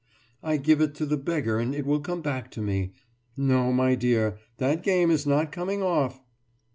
I give it to the beggar and it will come back to me.... No, my dear, that game is not coming off!